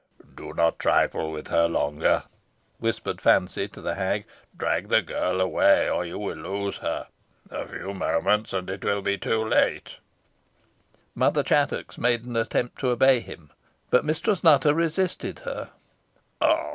"Do not trifle with her longer," whispered Fancy to the hag; "drag the girl away, or you will lose her. A few moments, and it will be too late." Mother Chattox made an attempt to obey him, but Mistress Nutter resisted her.